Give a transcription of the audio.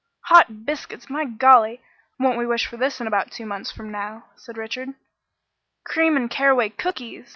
"Hot biscuits and honey! My golly! Won't we wish for this in about two months from now?" said Richard. "Cream and caraway cookies!"